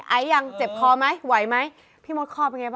ไอท์ยังเจ็บคอไหมไหวไหมพี่โมดคอดีขึ้น